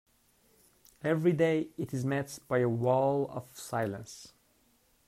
Every day it is met by a wall of silence.